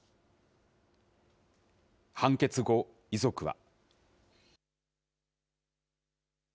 判決後、遺族は。